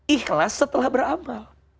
ikhlas setelah beramal